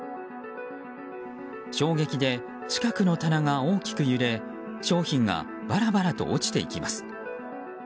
衝撃で近くの棚が大きく揺れ商品がバラバラと落ちていきます。